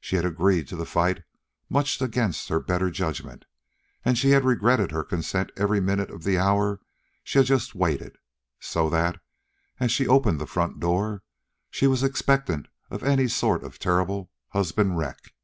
She had agreed to the fight much against her better judgment, and had regretted her consent every minute of the hour she had just waited; so that, as she opened the front door, she was expectant of any sort of a terrible husband wreck.